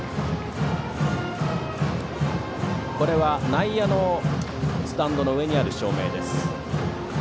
内野のスタンドの上にある照明です。